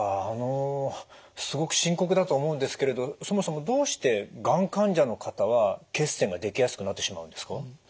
あのすごく深刻だと思うんですけれどそもそもどうしてがん患者の方は血栓ができやすくなってしまうんですか？